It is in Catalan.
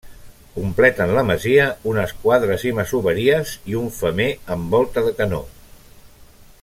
Completen la masia unes quadres i masoveries, i un femer amb volta de canó.